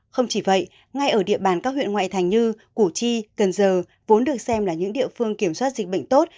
không chỉ vậy ngay ở địa bàn các huyện ngoại thành như củ chi cần giờ vốn được xem là những địa phương kiểm soát dịch bệnh tốt